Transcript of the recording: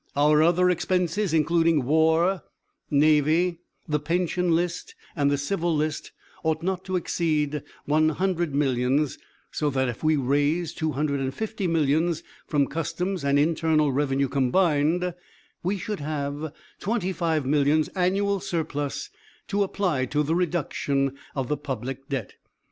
Our other expenses, including War, Navy, the Pension list, and the Civil list, ought not to exceed one hundred millions; so that if we raise two hundred and fifty millions from Customs and Internal Revenue combined, we should have twenty five millions annual surplus to apply to the reduction of the Public debt.